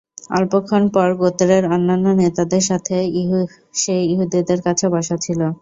অল্পক্ষণ পর গোত্রের অন্যান্য নেতাদের সাথে সে ইহুদীদের কাছে বসা ছিল।